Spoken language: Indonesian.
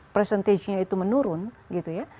presentasinya itu menurun gitu ya